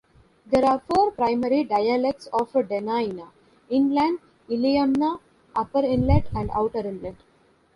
There are four primary dialects of Dena'ina: Inland, Iliamna, Upper Inlet, and Outer Inlet.